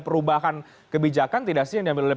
perubahan kebijakan tidak sih yang diambil oleh